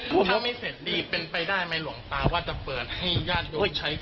ของเขาไม่เสร็จดีเป็นไปได้มั้ยหลวงตาว่าจะเปิดให้ยานโยงใช้ผม